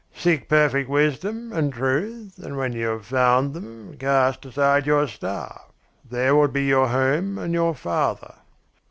Seek perfect wisdom and truth, and when you have found them, cast aside your staff there will be your home and your father.'